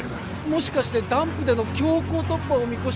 もしかしてダンプでの強行突破を見越し